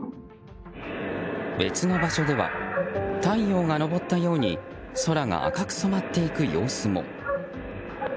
別の場所では太陽が昇ったように空が赤く染まっていく様子も。